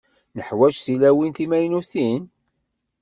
Neḥwaǧ tilawin timaynutin?